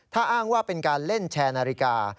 ถ้าอ้างว่าเป็นการเล่นแชร์นาฬิกา